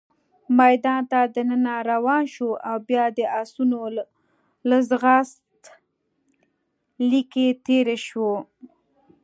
میدان ته دننه روان شوو، او بیا د اسونو له ځغاست لیکې تېر شوو.